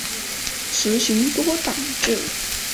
实行多党制。